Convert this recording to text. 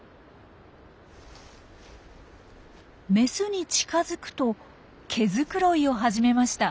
メスに近づくと毛づくろいを始めました。